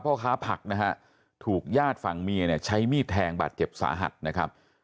พ่อค้าผักนะฮะถูกญาติฝั่งเมียเนี่ยใช้มีดแทงบาดเจ็บสาหัสนะครับ